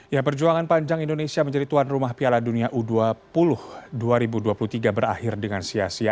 ya perjuangan panjang indonesia menjadi tuan rumah piala dunia u dua puluh dua ribu dua puluh tiga berakhir dengan sia sia